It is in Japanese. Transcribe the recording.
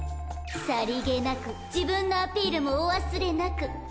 さりげなく自分のアピールもお忘れなく。